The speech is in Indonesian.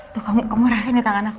tuh kamu rasain nih tangan aku